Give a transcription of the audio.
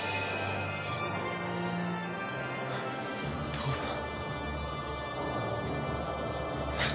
父さん！